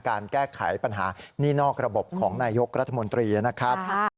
การแก้ไขปัญหานี่นอกระบบของนายกรัฐมนตรีนะครับ